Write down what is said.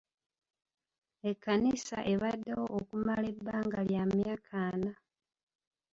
Ekkanisa ebaddewo okumala ebbanga lya myaka ana.